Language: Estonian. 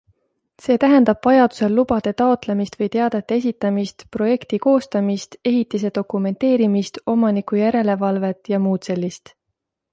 See tähendab vajadusel lubade taotlemist või teadete esitamist, projekti koostamist, ehitise dokumenteerimist, omanikujärelevalvet jms.